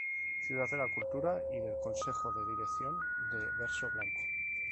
Ciudad de la cultura" y del consejo de dirección de "Verso Blanco.